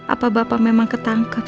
apa bapak memang ketangkap